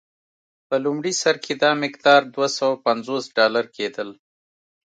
په لومړي سر کې دا مقدار دوه سوه پنځوس ډالر کېدل.